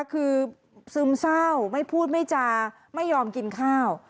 คือซึมเศร้าไม่พูดไม่จาไม่ยอมกินข้าว